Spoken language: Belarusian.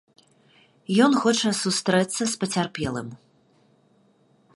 Ён хоча сустрэцца з пацярпелым.